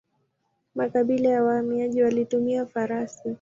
Makabila ya wahamiaji walitumia farasi.